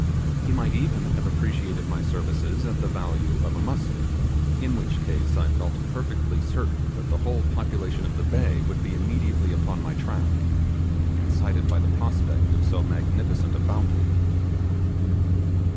He might even have appreciated my services at the value of a musket, in which case I felt perfectly certain that the whole population of the bay would be immediately upon my track, incited by the prospect of so magnificent a bounty.